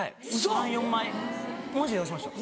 ３４枚マジで出しました。